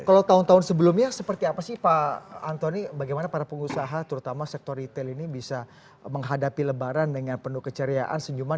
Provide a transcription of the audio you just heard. kalau tahun tahun sebelumnya seperti apa sih pak antoni bagaimana para pengusaha terutama sektor retail ini bisa menghadapi lebaran dengan penuh keceriaan senyuman